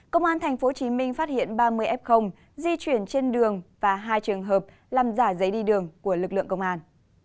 công an tp hcm phát hiện ba mươi f di chuyển trên đường và hai trường hợp làm giả giấy đi đường của lực lượng công an